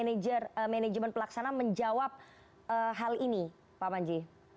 bagaimana manajemen pelaksanaan menjawab hal ini pak panji